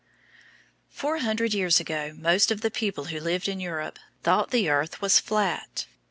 Four hundred years ago most of the people who lived in Europe thought that the earth was flat.